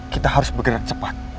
kita harus bergerak cepat